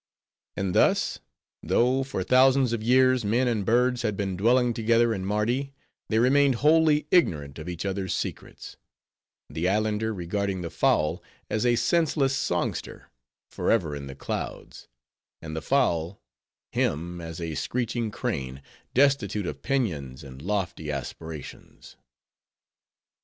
And thus, though for thousands of years, men and birds had been dwelling together in Mardi, they remained wholly ignorant of each other's secrets; the Islander regarding the fowl as a senseless songster, forever in the clouds; and the fowl him, as a screeching crane, destitute of pinions and lofty aspirations.